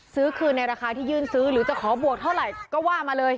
ซื้อคืนในราคาที่ยื่นซื้อหรือจะขอบวกเท่าไหร่ก็ว่ามาเลย